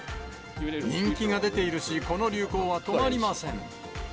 人気が出ているし、この流行は止まりません。